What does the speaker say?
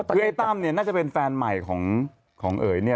คือไอ้ตั้มเนี่ยน่าจะเป็นแฟนใหม่ของเอ๋ยเนี่ย